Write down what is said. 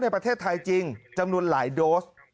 ในประเทศไทยจริงจำนวนหลายโดส